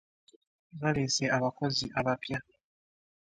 Baleese abakozi bapya.